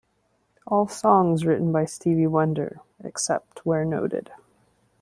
All songs written by Stevie Wonder, except where noted.